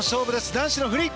男子のフリー。